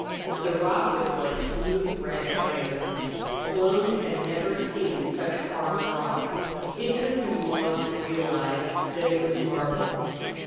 The rock was like smooth red iron. Slone had never seen such hard rock. It took him long to realize that it was marble.